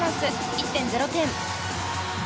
１．０点。